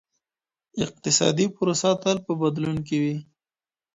اقتصادي پروسه تل په بدلون کي وي.